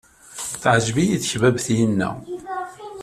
Teɛjeb-iyi tekbabt-inna.